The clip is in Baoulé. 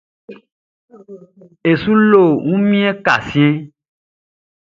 E su lo wunmiɛn kan siɛnʼn.